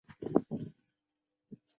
请勿摄影、饮食、吸烟